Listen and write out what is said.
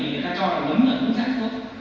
thì người ta cho nó uống là cũng giãn xuống